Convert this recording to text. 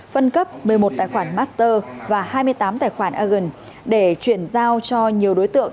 phân cấp một mươi một tài khoản master và hai mươi tám tài khoản agen để chuyển giao cho nhiều đối tượng